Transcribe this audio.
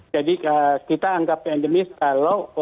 jadi kita anggap endemis kalau